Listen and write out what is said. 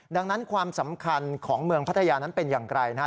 ดังนั้นความสำคัญของเมืองพัทยานั้นเป็นอย่างไรนะครับ